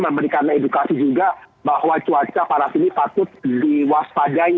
memberikan edukasi juga bahwa cuaca panas ini patut diwaspadai